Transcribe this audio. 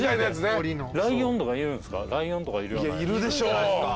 いやいるでしょ。